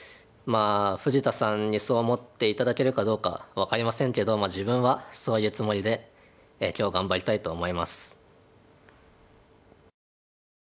富士田さんにそう思って頂けるかどうか分かりませんけど自分はそういうつもりで今日頑張りたいと思います。